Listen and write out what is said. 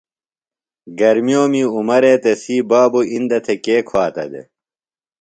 گرمیومی عمرے تسی بابُوۡ اِندہ تھےۡ کے کُھواتہ دےۡ؟